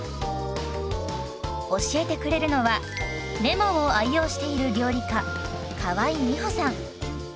教えてくれるのはレモンを愛用している料理家河井美歩さん。